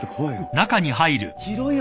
広いよ。